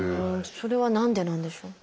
それは何でなんでしょうか？